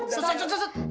susun susun susun